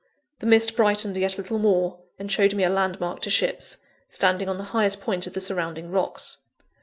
The mist brightened yet a little more, and showed me a landmark to ships, standing on the highest point of the surrounding rocks.